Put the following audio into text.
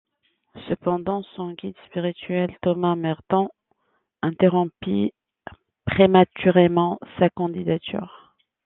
Cependant, son guide spirituel, Thomas Merton, interrompit prématurément sa candidature.